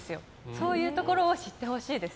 そういうところを知ってほしいです。